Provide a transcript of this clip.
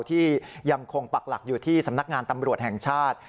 ที่ยังคงปักหลักอยู่ที่สำนักงานตำรวจแห่งชาติ